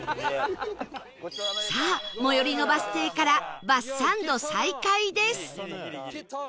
さあ最寄りのバス停からバスサンド再開です